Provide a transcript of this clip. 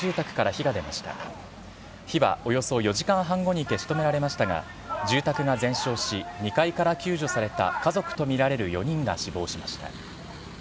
火はおよそ４時間半後に消し止められましたが、住宅が全焼し、２階から救助された家族と見られる４人が死亡しました。